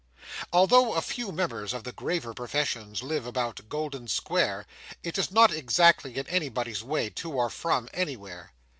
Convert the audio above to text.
Although a few members of the graver professions live about Golden Square, it is not exactly in anybody's way to or from anywhere.